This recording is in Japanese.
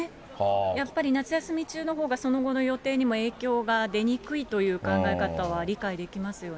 やっぱり夏休み中のほうが、その後の予定にも影響が出にくいという考え方は理解できますよね。